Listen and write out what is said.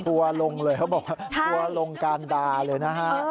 ลงเลยเขาบอกว่าทัวร์ลงการดาเลยนะฮะ